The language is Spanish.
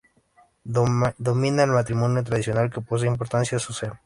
Domina el matrimonio tradicional que posee importancia social.